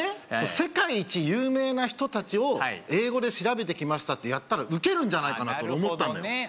世界一有名な人達を英語で調べてきましたってやったらウケるんじゃないかなと思ったのよ